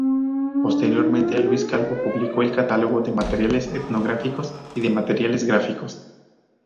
Posteriormente, Luis Calvo publicó el catálogo de materiales etnográficos y de materiales gráficos.